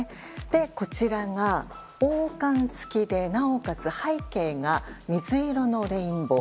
こちらが王冠付きでなおかつ背景が水色のレインボー。